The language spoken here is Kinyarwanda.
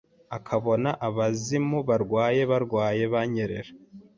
akabona abazimu barwaye barwaye banyerera